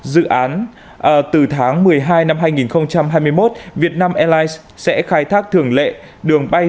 dự án từ tháng một mươi hai năm hai nghìn hai mươi một việt nam airlines sẽ khai thác thường lệ đường bay